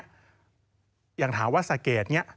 อย่างถามวัตสเกต